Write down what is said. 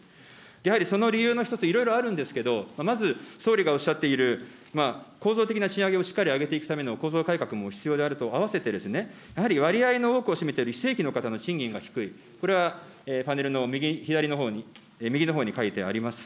やはりその理由の一つ、いろいろあるんですけど、まず、総理がおっしゃっている、構造的な賃上げをしっかり上げていくための構造改革も必要であるとあわせて、やはり割合の多くを占めている非正規の方の賃金が低い、これはパネルの右左のほうに、右のほうに書いてあります。